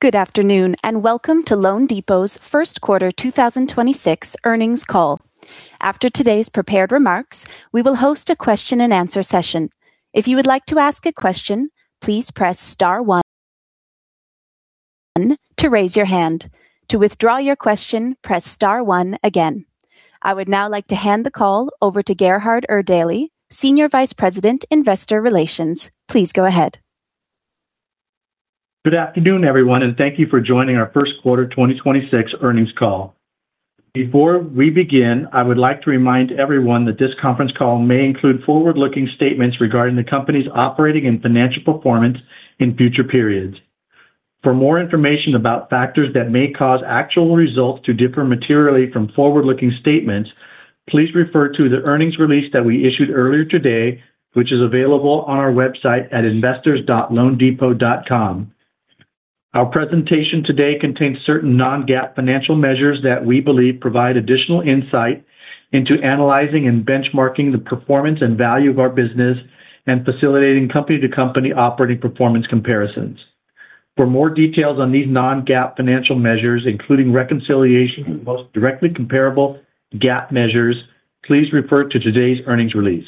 Good afternoon, and welcome to loanDepot's first quarter 2026 earnings call. After today's prepared remarks, we will host a question-and-answer session. If you would like to ask a question, please press star one to raise your hand. To withdraw your question, press star one again. I would now like to hand the call over to Gerhard Erdelji, Senior Vice President, Investor Relations. Please go ahead. Good afternoon, everyone, and thank you for joining our first quarter 2026 earnings call. Before we begin, I would like to remind everyone that this conference call may include forward-looking statements regarding the company's operating and financial performance in future periods. For more information about factors that may cause actual results to differ materially from forward-looking statements, please refer to the earnings release that we issued earlier today, which is available on our website at investors.loandepot.com. Our presentation today contains certain non-GAAP financial measures that we believe provide additional insight into analyzing and benchmarking the performance and value of our business and facilitating company-to-company operating performance comparisons. For more details on these non-GAAP financial measures, including reconciliation of the most directly comparable GAAP measures, please refer to today's earnings release.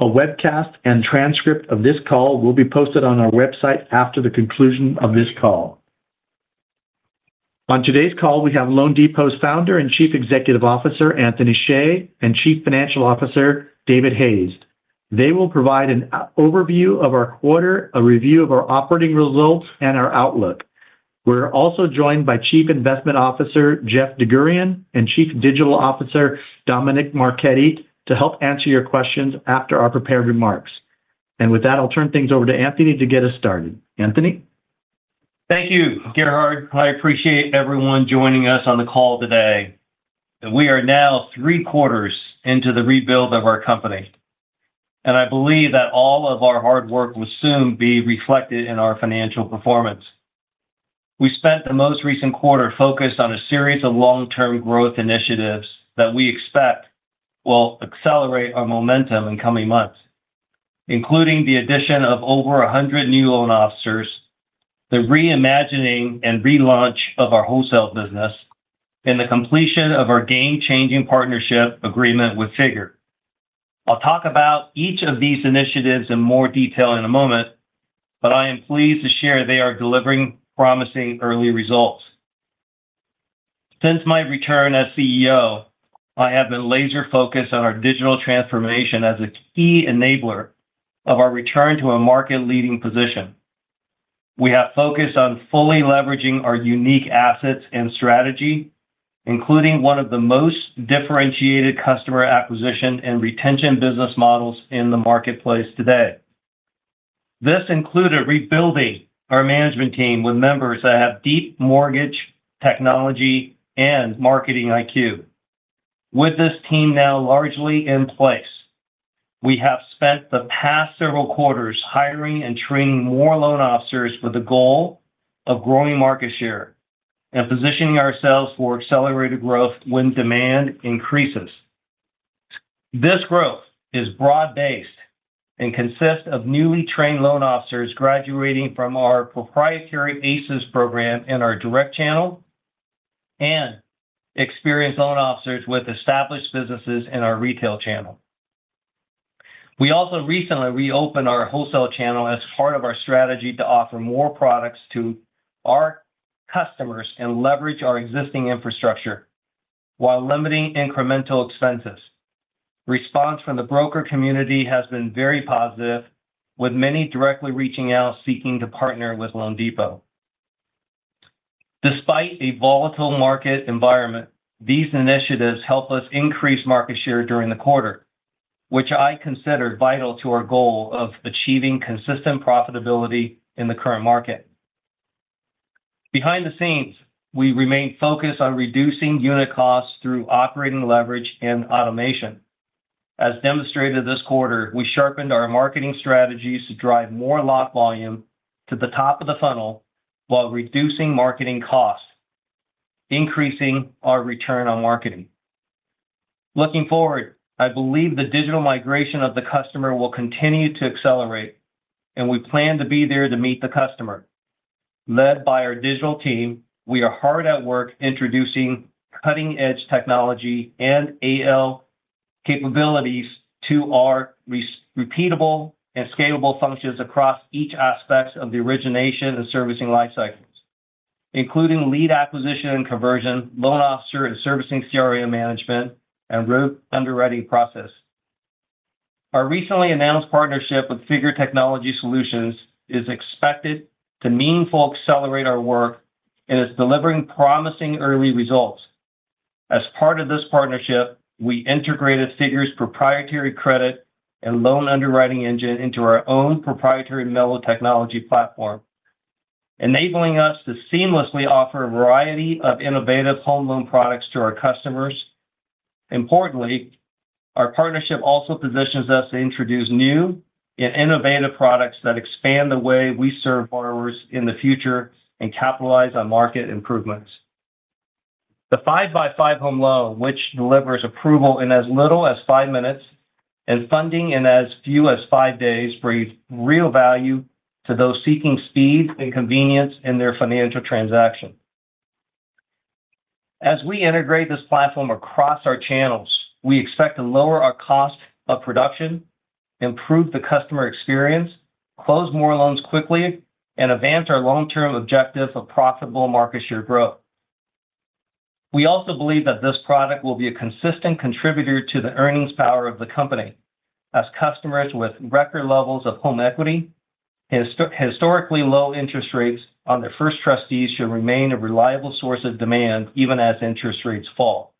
A webcast and transcript of this call will be posted on our website after the conclusion of this call. On today's call, we have loanDepot's Founder and Chief Executive Officer, Anthony Hsieh, and Chief Financial Officer, David Hayes. They will provide an overview of our quarter, a review of our operating results, and our outlook. We're also joined by Chief Investment Officer, Jeff DerGurahian, and Chief Digital Officer, Dominick Marchetti, to help answer your questions after our prepared remarks. With that, I'll turn things over to Anthony to get us started. Anthony? Thank you, Gerhard. I appreciate everyone joining us on the call today. We are now three quarters into the rebuild of our company, and I believe that all of our hard work will soon be reflected in our financial performance. We spent the most recent quarter focused on a series of long-term growth initiatives that we expect will accelerate our momentum in coming months, including the addition of over 100 new loan officers, the reimagining and relaunch of our wholesale business, and the completion of our game-changing partnership agreement with Figure. I'll talk about each of these initiatives in more detail in a moment, but I am pleased to share they are delivering promising early results. Since my return as CEO, I have been laser-focused on our digital transformation as a key enabler of our return to a market-leading position. We have focused on fully leveraging our unique assets and strategy, including one of the most differentiated customer acquisition and retention business models in the marketplace today. This included rebuilding our management team with members that have deep mortgage technology and marketing IQ. With this team now largely in place, we have spent the past several quarters hiring and training more loan officers with the goal of growing market share and positioning ourselves for accelerated growth when demand increases. This growth is broad-based and consists of newly trained loan officers graduating from our proprietary ACES program in our direct channel and experienced loan officers with established businesses in our retail channel. We also recently reopened our wholesale channel as part of our strategy to offer more products to our customers and leverage our existing infrastructure while limiting incremental expenses. Response from the broker community has been very positive, with many directly reaching out seeking to partner with loanDepot. Despite a volatile market environment, these initiatives help us increase market share during the quarter, which I consider vital to our goal of achieving consistent profitability in the current market. Behind the scenes, we remain focused on reducing unit costs through operating leverage and automation. As demonstrated this quarter, we sharpened our marketing strategies to drive more lock volume to the top of the funnel while reducing marketing costs, increasing our return on marketing. Looking forward, I believe the digital migration of the customer will continue to accelerate, and we plan to be there to meet the customer. Led by our digital team, we are hard at work introducing cutting-edge technology and AI capabilities to our repeatable and scalable functions across each aspect of the origination and servicing life cycles, including lead acquisition and conversion, loan officer and servicing CRM management, and with underwriting process. Our recently announced partnership with Figure Technology Solutions is expected to meaningfully accelerate our work and is delivering promising early results. As part of this partnership, we integrated Figure's proprietary credit and loan underwriting engine into our own proprietary mello technology platform, enabling us to seamlessly offer a variety of innovative home loan products to our customers. Importantly, our partnership also positions us to introduce new and innovative products that expand the way we serve borrowers in the future and capitalize on market improvements. The 5x5 HomeLoan, which delivers approval in as little as five minutes and funding in as few as five days, brings real value to those seeking speed and convenience in their financial transaction. As we integrate this platform across our channels, we expect to lower our cost of production, improve the customer experience, close more loans quickly, and advance our long-term objective of profitable market share growth. We also believe that this product will be a consistent contributor to the earnings power of the company as customers with record levels of home equity, historically low interest rates on their first trust deeds, should remain a reliable source of demand even as interest rates fall.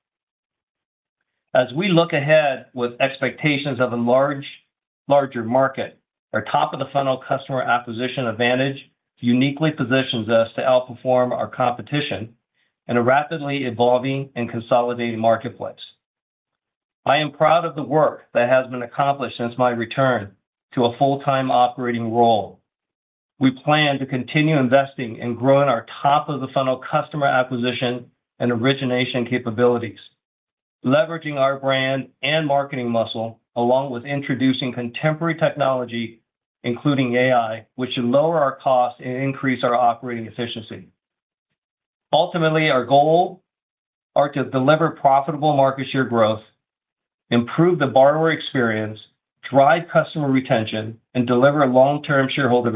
As we look ahead with expectations of a larger market, our top of the funnel customer acquisition advantage uniquely positions us to outperform our competition in a rapidly evolving and consolidating marketplace. I am proud of the work that has been accomplished since my return to a full-time operating role. We plan to continue investing and growing our top of the funnel customer acquisition and origination capabilities, leveraging our brand and marketing muscle, along with introducing contemporary technology, including AI, which should lower our costs and increase our operating efficiency. Ultimately, our goal are to deliver profitable market share growth, improve the borrower experience, drive customer retention, and deliver long-term shareholder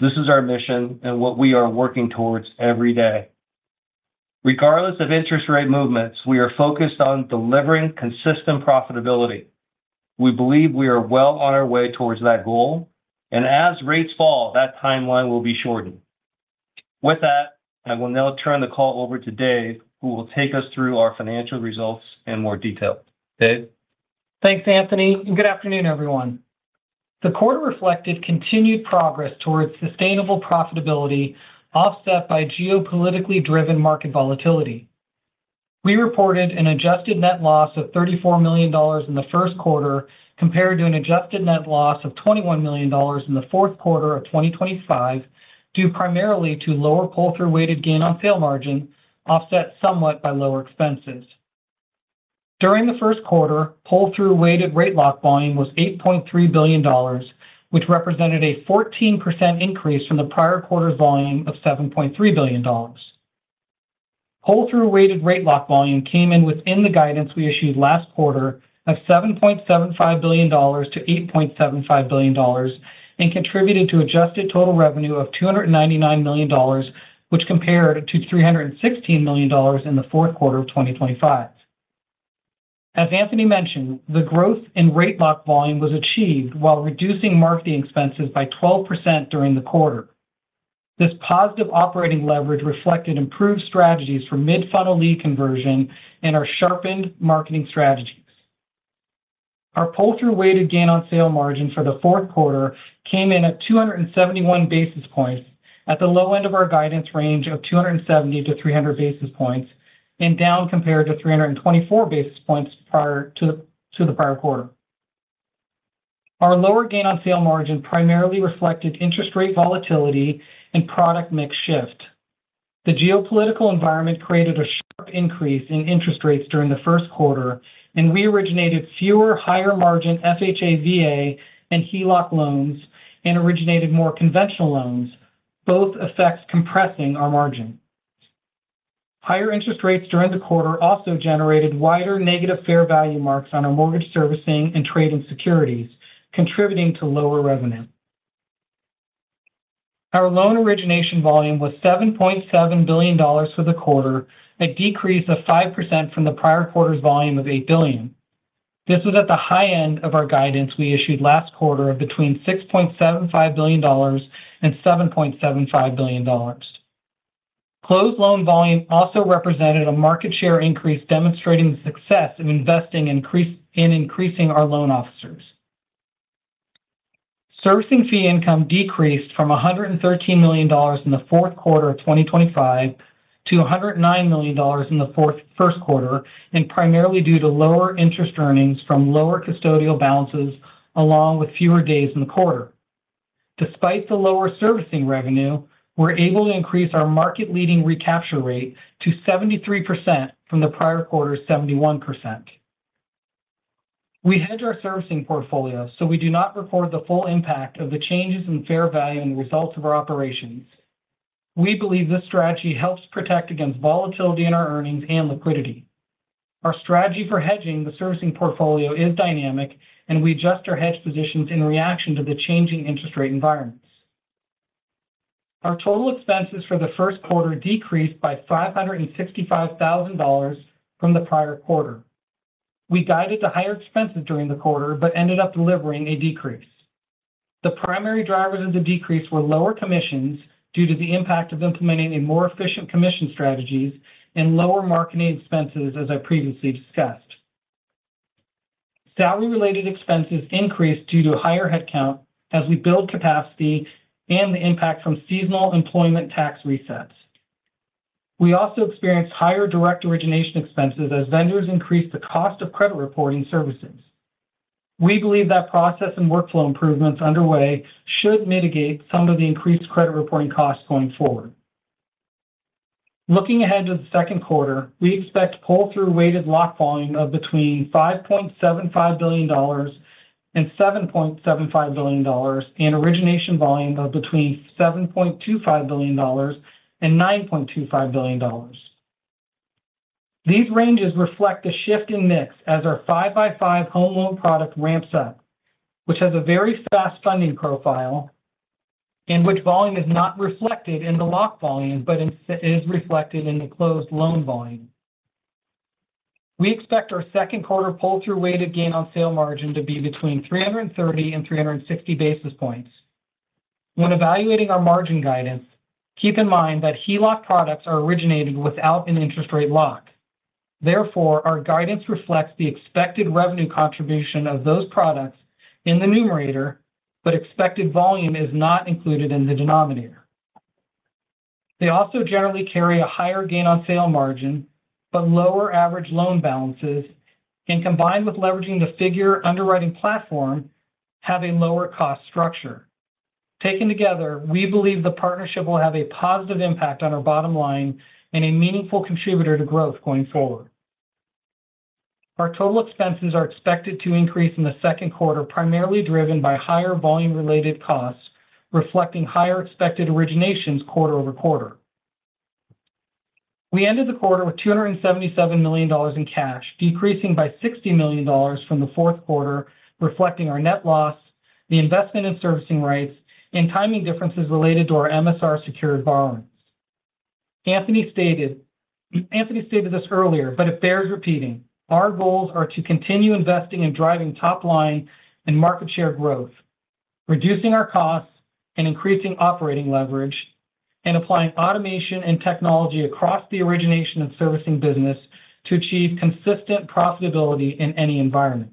value. This is our mission and what we are working towards every day. Regardless of interest rate movements, we are focused on delivering consistent profitability. We believe we are well on our way towards that goal. As rates fall, that timeline will be shortened. With that, I will now turn the call over to Dave, who will take us through our financial results in more detail. Dave? Thanks, Anthony. Good afternoon, everyone. The quarter reflected continued progress towards sustainable profitability offset by geopolitically driven market volatility. We reported an adjusted net loss of $34 million in the first quarter compared to an adjusted net loss of $21 million in the fourth quarter of 2025, due primarily to lower pull-through weighted gain on sale margin, offset somewhat by lower expenses. During the first quarter, pull-through weighted rate lock volume was $8.3 billion, which represented a 14% increase from the prior quarter's volume of $7.3 billion. Pull-through weighted rate lock volume came in within the guidance we issued last quarter of $7.75 billion to $8.75 billion, and contributed to adjusted total revenue of $299 million, which compared to $316 million in the fourth quarter of 2025. As Anthony mentioned, the growth in rate lock volume was achieved while reducing marketing expenses by 12% during the quarter. This positive operating leverage reflected improved strategies for mid-funnel lead conversion and our sharpened marketing strategies. Our pull-through weighted gain on sale margin for the fourth quarter came in at 271 basis points at the low end of our guidance range of 270-300 basis points, and down compared to 324 basis points prior to the prior quarter. Our lower gain on sale margin primarily reflected interest rate volatility and product mix shift. The geopolitical environment created a sharp increase in interest rates during the first quarter, and we originated fewer higher margin FHA, VA, and HELOC loans and originated more conventional loans, both effects compressing our margin. Higher interest rates during the quarter also generated wider negative fair value marks on our mortgage servicing and trading securities, contributing to lower revenue. Our loan origination volume was $7.7 billion for the quarter, a decrease of 5% from the prior quarter's volume of $8 billion. This was at the high end of our guidance we issued last quarter of between $6.75 billion and $7.75 billion. Closed loan volume also represented a market share increase demonstrating success in investing in increasing our loan officers. Servicing fee income decreased from $113 million in the fourth quarter of 2025 to $109 million in the first quarter. Primarily due to lower interest earnings from lower custodial balances along with fewer days in the quarter. Despite the lower servicing revenue, we're able to increase our market leading recapture rate to 73% from the prior quarter's 71%. We hedge our servicing portfolio. We do not report the full impact of the changes in fair value and results of our operations. We believe this strategy helps protect against volatility in our earnings and liquidity. Our strategy for hedging the servicing portfolio is dynamic. We adjust our hedge positions in reaction to the changing interest rate environments. Our total expenses for the first quarter decreased by $565,000 from the prior quarter. We guided to higher expenses during the quarter, but ended up delivering a decrease. The primary drivers of the decrease were lower commissions due to the impact of implementing a more efficient commission strategies and lower marketing expenses as I previously discussed. Salary related expenses increased due to higher headcount as we build capacity and the impact from seasonal employment tax resets. We also experienced higher direct origination expenses as vendors increased the cost of credit reporting services. We believe that process and workflow improvements underway should mitigate some of the increased credit reporting costs going forward. Looking ahead to the second quarter, we expect pull-through weighted lock volume of between $5.75 billion and $7.75 billion, and origination volume of between $7.25 billion and $9.25 billion. These ranges reflect a shift in mix as our 5x5 HomeLoan product ramps up, which has a very fast funding profile and which volume is not reflected in the lock volume, but is reflected in the closed loan volume. We expect our second quarter pull-through weighted gain on sale margin to be between 330 and 360 basis points. When evaluating our margin guidance, keep in mind that HELOC products are originated without an interest rate lock. Therefore, our guidance reflects the expected revenue contribution of those products in the numerator, but expected volume is not included in the denominator. They also generally carry a higher gain on sale margin but lower average loan balances, and combined with leveraging the Figure underwriting platform, have a lower cost structure. Taken together, we believe the partnership will have a positive impact on our bottom line and a meaningful contributor to growth going forward. Our total expenses are expected to increase in the second quarter, primarily driven by higher volume related costs, reflecting higher expected originations quarter-over-quarter. We ended the quarter with $277 million in cash, decreasing by $60 million from the fourth quarter, reflecting our net loss, the investment in servicing rights, and timing differences related to our MSR secured loans. Anthony stated this earlier, but it bears repeating. Our goals are to continue investing in driving top line and market share growth, reducing our costs and increasing operating leverage, and applying automation and technology across the origination and servicing business to achieve consistent profitability in any environment.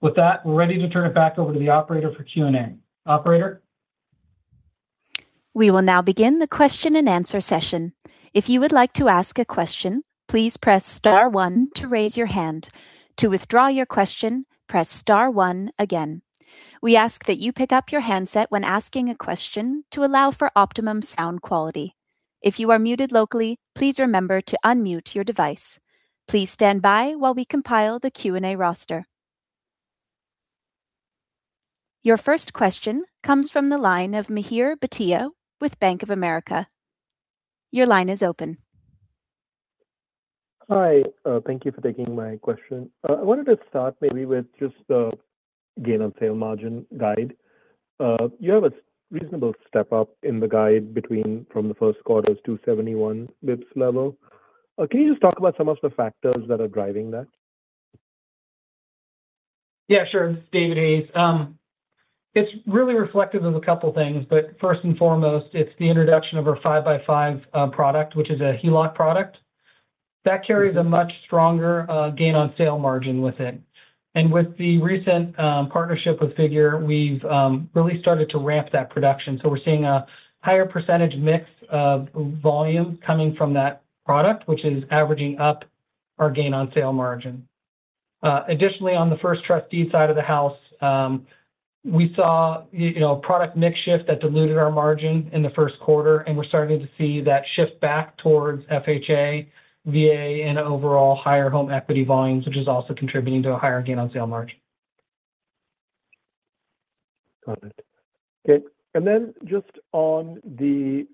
With that, we're ready to turn it back over to the operator for Q&A. Operator? We will now begin the question-and-answer session. If you would like to ask a question, please press star one to raise your hand. To withdraw your question, press star one again. We ask that you pick up your handset when asking a question to allow for optimum sound quality. If you are muted locally, please remember to unmute your device. Please stand by while we compile the Q&A roster. Your first question comes from the line of Mihir Bhatia with Bank of America. Your line is open. Hi. Thank you for taking my question. I wanted to start maybe with just the gain on sale margin guide. You have a reasonable step up in the guide between from the first quarter's 271 basis level. Can you just talk about some of the factors that are driving that? Sure. David Hayes. It's really reflective of a couple of things, but first and foremost, it's the introduction of our 5x5 product, which is a HELOC product. That carries a much stronger gain on sale margin with it. With the recent partnership with Figure, we've really started to ramp that production. We're seeing a higher percentage mix of volume coming from that product, which is averaging up our gain on sale margin. Additionally, on the first trust deed side of the house, we saw, you know, product mix shift that diluted our margin in the first quarter, and we're starting to see that shift back towards FHA, VA, and overall higher home equity volumes, which is also contributing to a higher gain on sale margin. Got it. Okay. Then just on the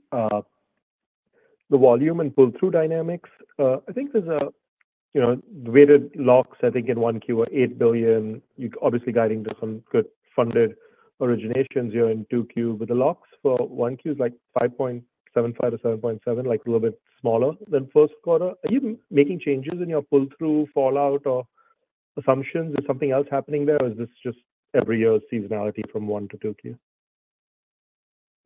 volume and pull-through dynamics, you know, weighted locks, I think in 1Q you are $8 billion. You're obviously guiding to some good funded originations here in 2Q. The locks for 1Q is, like, $5.75 billion-$7.7 billion, like, a little bit smaller than first quarter. Are you making changes in your pull-through fallout or assumptions? Is something else happening there, or is this just every year seasonality from 1Q to 2Q?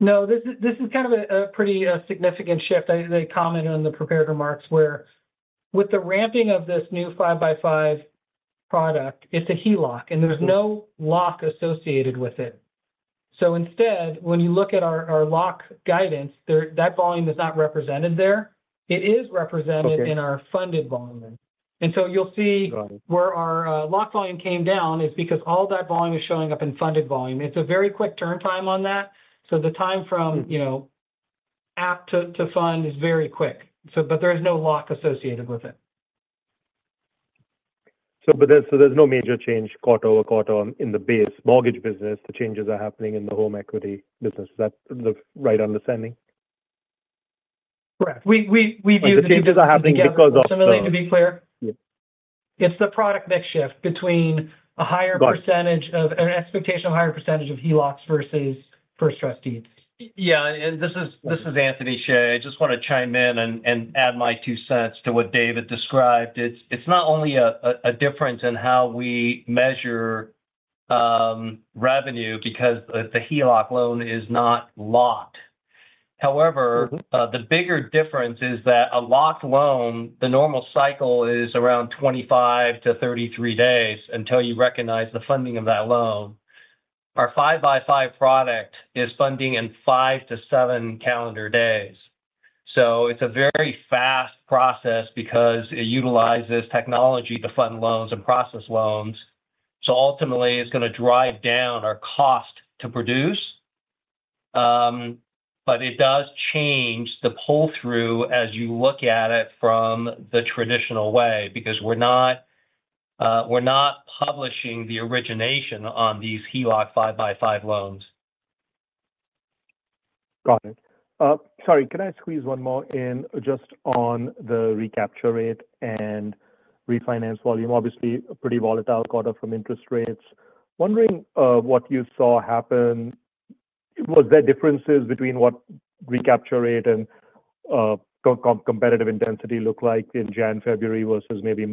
No, this is kind of a pretty significant shift. I commented on the prepared remarks where with the ramping of this new 5x5 product, it's a HELOC, and there's no lock associated with it. Instead, when you look at our lock guidance there, that volume is not represented there. It is represented- Okay. in our funded volume. You'll see. Got it. where our lock volume came down is because all that volume is showing up in funded volume. It's a very quick turn time on that. You know, app to fund is very quick. There is no lock associated with it. There's no major change quarter-over-quarter in the base mortgage business. The changes are happening in the home equity business. Is that the right understanding? Correct. We view the- The changes are happening because of the. To be clear? Yeah. It's the product mix shift between a higher percentage. Got it. of an expectation of higher percentage of HELOCs versus first trust deeds. Yeah. This is Anthony Hsieh. I just want to chime in and add my two cents to what David described. It's not only a difference in how we measure revenue because the HELOC loan is not locked. However- The bigger difference is that a locked loan, the normal cycle is around 25 to 33 days until you recognize the funding of that loan. Our 5x5 product is funding in five to seven calendar days. It's a very fast process because it utilizes technology to fund loans and process loans. Ultimately, it's gonna drive down our cost to produce. It does change the pull-through as you look at it from the traditional way because we're not publishing the origination on these HELOC 5x5 loans. Got it. Sorry, can I squeeze one more in just on the recapture rate and refinance volume? Obviously, a pretty volatile quarter from interest rates. Wondering what you saw happen? Was there differences between what recapture rate and competitive intensity looked like in January/February versus maybe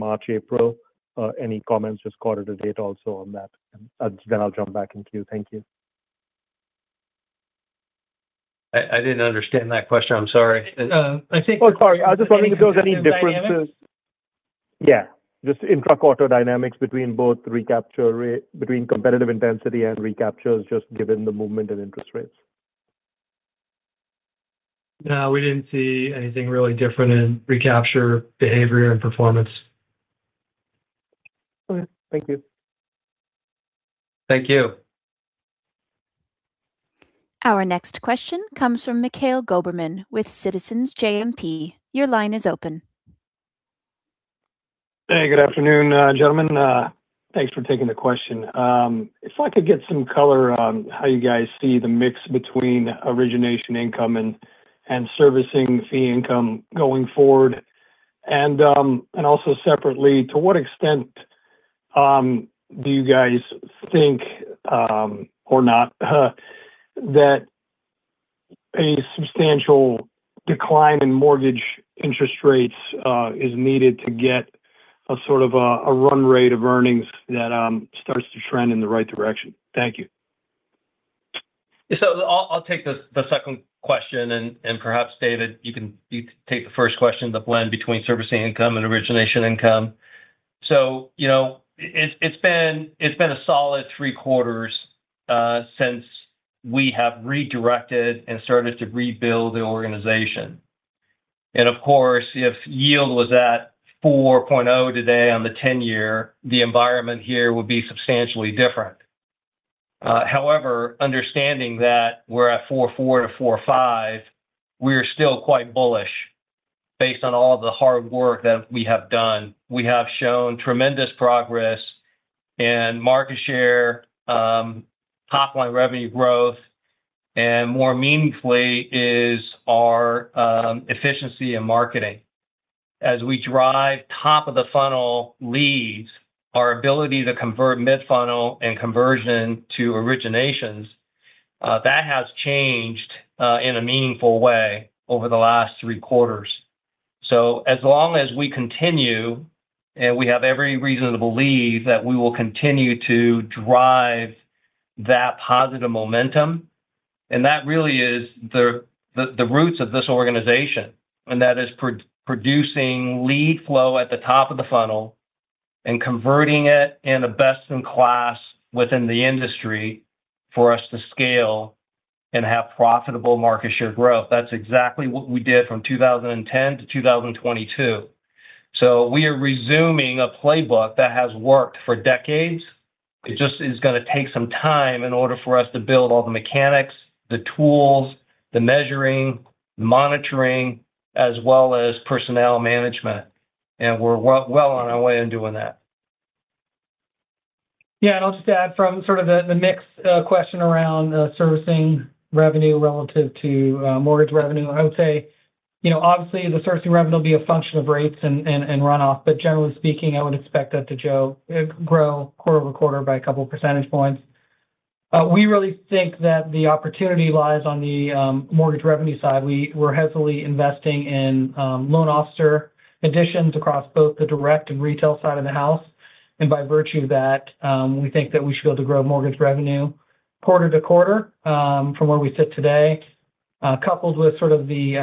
March/April? Any comments just quarter to date also on that, and then I'll jump back in queue. Thank you. I didn't understand that question. I'm sorry. Uh, I think- Oh, sorry. dynamics. Yeah, just intra-quarter dynamics between competitive intensity and recaptures just given the movement in interest rates. No, we didn't see anything really different in recapture behavior and performance. Okay. Thank you. Thank you. Our next question comes from Mikhail Goberman with Citizens JMP. Your line is open. Hey, good afternoon, gentlemen. Thanks for taking the question. If I could get some color on how you guys see the mix between origination income and servicing fee income going forward. Also separately, to what extent do you guys think, or not, that a substantial decline in mortgage interest rates is needed to get a sort of a run rate of earnings that starts to trend in the right direction? Thank you. I'll take the second question and perhaps, David, you can take the first question, the blend between servicing income and origination income. You know, it's been a solid three quarters since we have redirected and started to rebuild the organization. Of course, if yield was at 4.0 today on the 10-year, the environment here would be substantially different. However, understanding that we're at 4.4-4.5, we're still quite bullish based on all the hard work that we have done. We have shown tremendous progress in market share, top-line revenue growth, and more meaningfully is our efficiency in marketing. As we drive top of the funnel leads, our ability to convert mid-funnel and conversion to originations, that has changed in a meaningful way over the last three quarters. As long as we continue, and we have every reason to believe that we will continue to drive that positive momentum. That really is the roots of this organization, and that is pro-producing lead flow at the top of the funnel and converting it in a best in class within the industry for us to scale and have profitable market share growth. That's exactly what we did from 2010 to 2022. We are resuming a playbook that has worked for decades. It just is going to take some time in order for us to build all the mechanics, the tools, the measuring, the monitoring, as well as personnel management. We're well on our way in doing that. Yeah. I'll just add from sort of the mix question around servicing revenue relative to mortgage revenue. I would say, you know, obviously, the servicing revenue will be a function of rates and runoff. Generally speaking, I would expect that to grow quarter-over-quarter by two percentage points. We really think that the opportunity lies on the mortgage revenue side. We're heavily investing in loan officer additions across both the direct and retail side of the house. By virtue of that, we think that we should be able to grow mortgage revenue quarter-to-quarter from where we sit today, coupled with sort of the,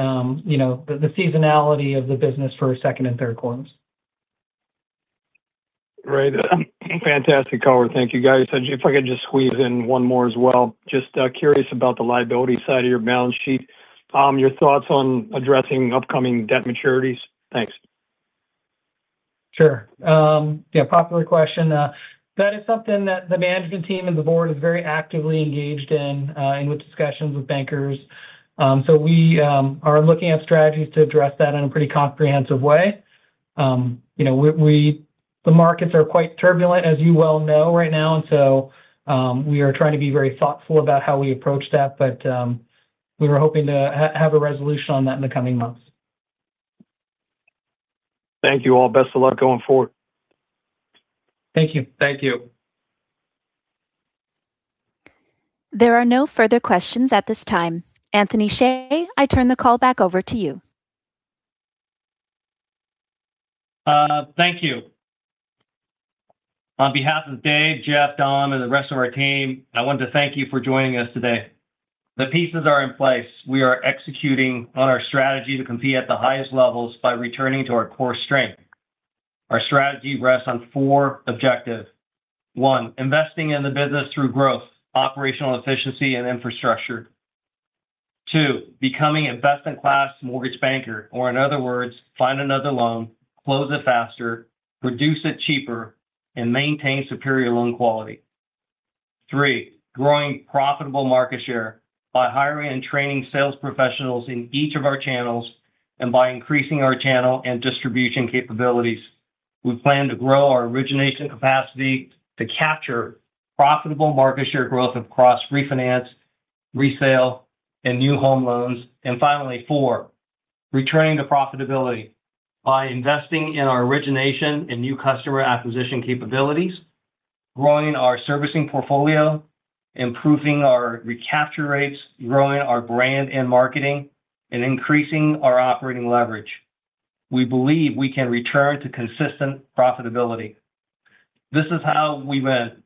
you know, the seasonality of the business for second and third quarters. Great. Fantastic cover. Thank you, guys. If I could just squeeze in one more as well. Just curious about the liability side of your balance sheet. Your thoughts on addressing upcoming debt maturities. Thanks. Sure. Yeah, popular question. That is something that the management team and the board is very actively engaged in, and with discussions with bankers. We are looking at strategies to address that in a pretty comprehensive way. You know, the markets are quite turbulent, as you well know right now. We are trying to be very thoughtful about how we approach that. We were hoping to have a resolution on that in the coming months. Thank you all. Best of luck going forward. Thank you. Thank you. There are no further questions at this time. Anthony Hsieh, I turn the call back over to you. Thank you. On behalf of Dave, Jeff, Dom, and the rest of our team, I want to thank you for joining us today. The pieces are in place. We are executing on our strategy to compete at the highest levels by returning to our core strength. Our strategy rests on four objectives. One, investing in the business through growth, operational efficiency and infrastructure. Two, becoming a best-in-class mortgage banker, or in other words, find another loan, close it faster, produce it cheaper, and maintain superior loan quality. Three, growing profitable market share by hiring and training sales professionals in each of our channels and by increasing our channel and distribution capabilities. We plan to grow our origination capacity to capture profitable market share growth across refinance, resale, and new home loans. Finally, four, returning to profitability by investing in our origination and new customer acquisition capabilities, growing our servicing portfolio, improving our recapture rates, growing our brand and marketing, and increasing our operating leverage. We believe we can return to consistent profitability. This is how we win.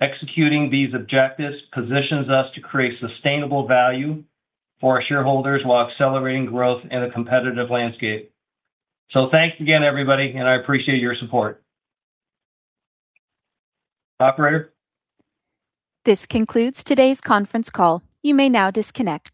Executing these objectives positions us to create sustainable value for our shareholders while accelerating growth in a competitive landscape. Thanks again, everybody, and I appreciate your support. Operator. This concludes today's conference call. You may now disconnect.